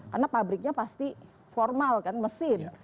karena pabriknya pasti formal kan mesin